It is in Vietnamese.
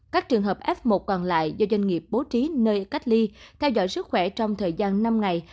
các trường hợp f một còn lại do doanh nghiệp bố trí nơi cách ly theo dõi sức khỏe trong thời gian năm ngày